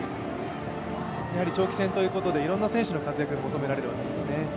長期戦ということでいろんな選手の活躍が求められるわけですね。